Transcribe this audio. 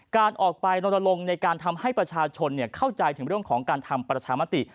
การออกไปลนลงในการทำให้ประชาชนเข้าใจถึงเรื่องของการทำประชามติ